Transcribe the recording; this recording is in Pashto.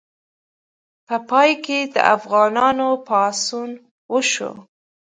په پای کې د افغانانو پاڅون وشو.